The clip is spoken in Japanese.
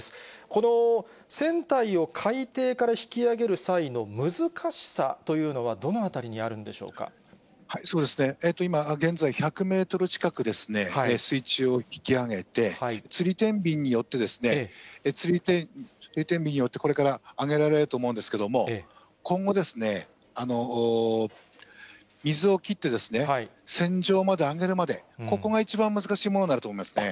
この船体を海底から引き揚げる際の難しさというのは、今、現在、１００メートル近く水中を引き揚げて、つりてんびんによって、これから揚げられると思うんですけども、今後、水を切って、船上まで揚げるまで、ここが一番難しいものになると思いますね。